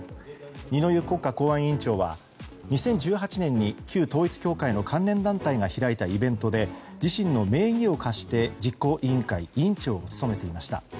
二之湯国家公安委員長は２０１８年に旧統一教会の関連団体が開いたイベントで自身の名義を貸して実行委員会委員長を務めていました。